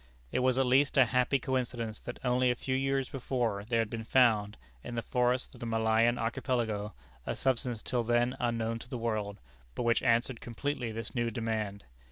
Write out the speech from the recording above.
It was at least a happy coincidence that only a few years before there had been found, in the forests of the Malayan archipelago, a substance till then unknown to the world, but which answered completely this new demand.